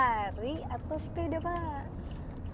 atau sepeda pak